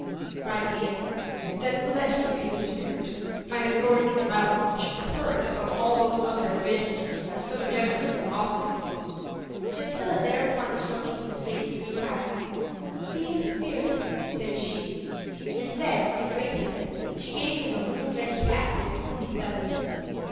cried Leander, "then let me be a spirit; I am going to travel, and should prefer it above all those other advantages you have so generously offered me." Gentilla thereupon stroking his face three times, "Be a spirit," said she; and then, embracing him, she gave him a little red cap with a plume of feathers.